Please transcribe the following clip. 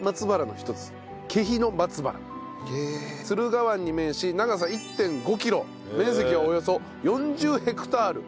敦賀湾に面し長さ１．５キロ面積はおよそ４０ヘクタール。